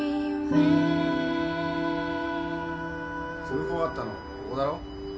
・通報あったのここだろ？